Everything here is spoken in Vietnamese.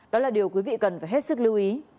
đó là điều quý vị cần phải hết sức lưu ý